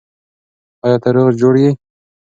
آیا ته روغ جوړ یې؟